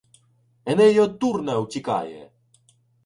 Еней од Турна утікає!